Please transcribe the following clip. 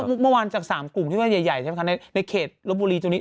เมื่อวานจาก๓กลุ่มที่ว่าใหญ่ใช่ไหมคะในเขตลบบุรีตรงนี้